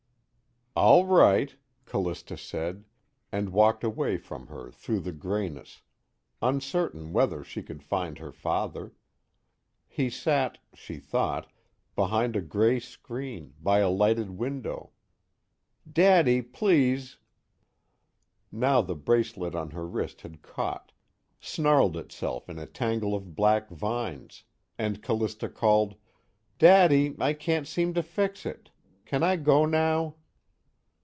"All right," Callista said, and walked away from her through the grayness, uncertain whether she could find her father. He sat (she thought) behind a gray screen, by a lighted window. "Daddy, please! " Now the bracelet on her wrist had caught, snarled itself in a tangle of black vines, and Callista called: "Daddy, I can't seem to fix it. Can I go now?"